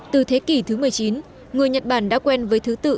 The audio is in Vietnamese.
từ thế kỷ thứ một mươi chín người nhật bản đã quen với thứ tự